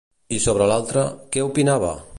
I sobre l'altre, què opinava?